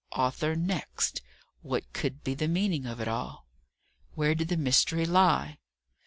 Arthur next! What could be the meaning of it all? Where did the mystery lie?